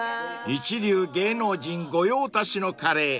［一流芸能人御用達のカレー